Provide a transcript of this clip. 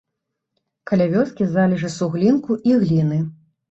Каля вёскі залежы суглінку і гліны.